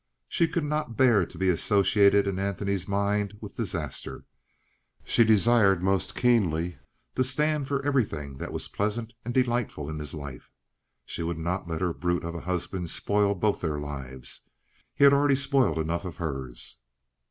She could not bear to be associated in Antony's mind with disaster; she desired most keenly to stand for everything that was pleasant and delightful in his life. She would not let her brute of a husband spoil both their lives. He had already spoiled enough of hers.